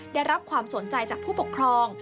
ได้รับความสนใจจากผู้ปกครอง